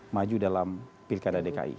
maju dalam pilkada dki